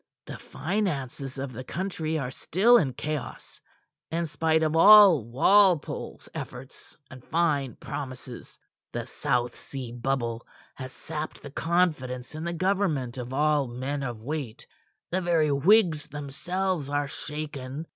The finances of the country are still in chaos, in spite of all Walpole's efforts and fine promises. The South Sea bubble has sapped the confidence in the government of all men of weight. The very Whigs themselves are shaken.